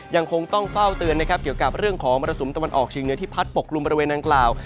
ยังคงต้องเฝ้าเตือนนะครับเกี่ยวกับเรื่องของมรสุมตะวันออกเชียงเหนือที่พัดปกลุ่มบริเวณดังกล่าว